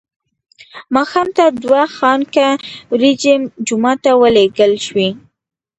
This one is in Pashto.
ماښام ته دوه خانکه وریجې جومات ته ولېږل شوې.